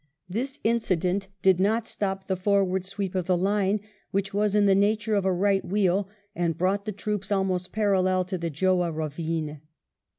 This incident did not stop the forward sweep of the line, which was in the nature of a right wheel, and brought the troops almost parallel to the Jouah ravine.